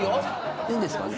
いいんですかね。